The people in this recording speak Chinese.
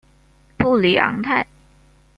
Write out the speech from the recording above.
布里昂泰。